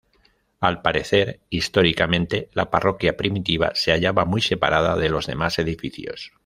Al parecer, históricamente, la parroquia primitiva se hallaba muy separada de los demás edificios.